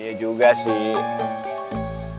iya juga sih